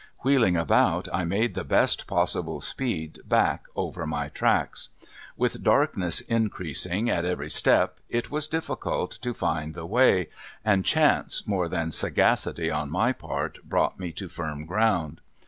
Wheeling about I made the best possible speed back over my tracks. With darkness increasing at every step it was difficult to find the way, and chance, more than sagacity on my part, brought me to firm ground.